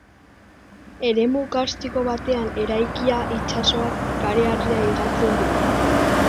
Eremu karstiko batean eraikia, itsasoak kareharria higatzen du.